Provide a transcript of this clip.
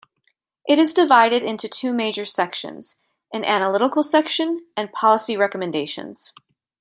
It is divided into two major sections: an analytical section and policy recommendations.